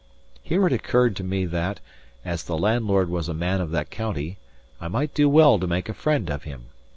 Here it occurred to me that, as the landlord was a man of that county, I might do well to make a friend of him.